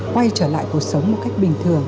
quay trở lại cuộc sống một cách bình thường